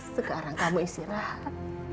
sekarang kamu istirahat